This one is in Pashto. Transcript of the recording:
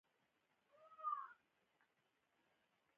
هغه ښه سړی ده